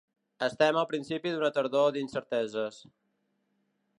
Estem al principi d’una tardor d’incerteses.